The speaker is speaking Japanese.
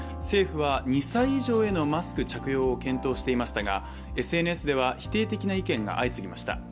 政府は２歳以上へのマスク着用を検討していましたが、ＳＮＳでは否定的な意見が相次ぎました。